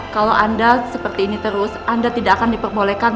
kalau anda seperti ini terus anda tidak akan diperbolehkan